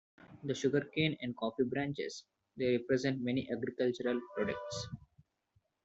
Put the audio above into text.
The Sugar Cane and Coffee Branches: They represent main agricultural products.